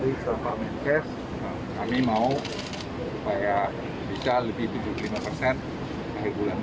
jadi tadi setelah mengekses kami mau supaya bisa lebih tujuh puluh lima persen